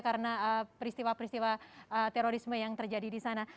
karena peristiwa peristiwa terorisme yang terjadi di sana